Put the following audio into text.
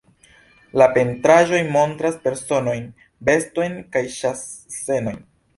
La pentraĵoj montras personojn, bestojn kaj ĉas-scenojn.